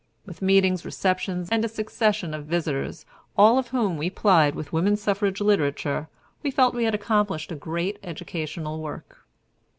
With meetings, receptions, and a succession of visitors, all of whom we plied with woman suffrage literature, we felt we had accomplished a great educational work.